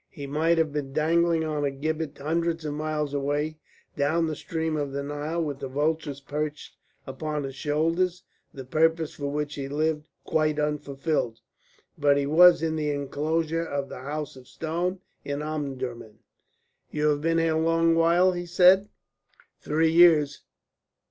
He might have been dangling on a gibbet hundreds of miles away down the stream of the Nile with the vultures perched upon his shoulders, the purpose for which he lived quite unfulfilled. But he was in the enclosure of the House of Stone in Omdurman. "You have been here a long while," he said. "Three years."